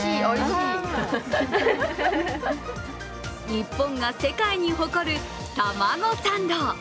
日本が世界に誇るタマゴサンド。